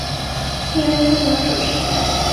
第一位获奖者是。